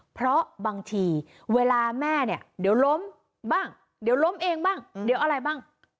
เพราะบางทีเวลาแม่เนี่ยเดี๋ยวล้มบ้างเดี๋ยวล้มเองบ้างเดี๋ยวอะไรบ้าง